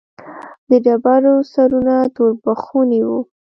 د ډبرو سرونه توربخوني وو.